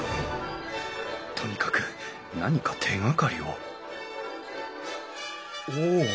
とにかく何か手がかりをお！